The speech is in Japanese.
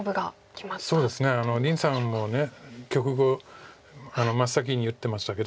そうですね林さんも局後真っ先に言ってましたけど。